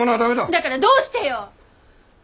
だからどうしてよ？